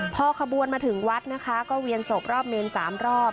พอขบวนมาถึงวัดนะคะก็เวียนศพรอบเมน๓รอบ